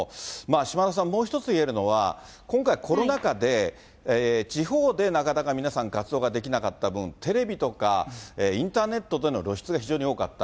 島田さん、もう一つ言えるのは、今回、コロナ禍で、地方でなかなか皆さん活動ができなかった分、テレビとかインターネットでの露出が非常に多かった。